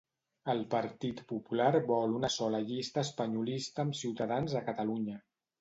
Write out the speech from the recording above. El Partit Popular vol una sola llista espanyolista amb Ciutadans a Catalunya.